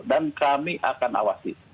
dan kami akan awasi